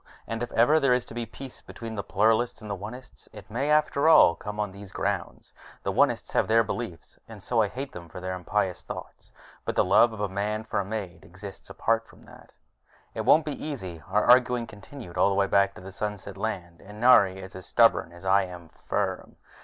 And if ever there is to be peace between the Pluralists and the Onists, it may, after all, come on these grounds. The Onists have their beliefs, and so I hate them for their impious thoughts. But the love of a man for a maid exists apart from that. It won't be easy. Our arguing continued all the way back to the Sunset Land, and Nari is as stubborn as I am firm.